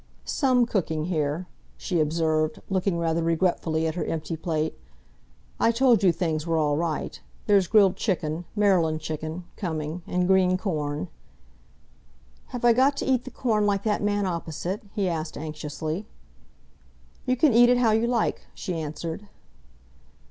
"Some cooking here," she observed, looking rather regretfully at her empty plate. "I told you things were all right. There's grilled chicken Maryland chicken coming, and green corn." "Have I got to eat the corn like that man opposite?" he asked anxiously. "You can eat it how you like," she answered.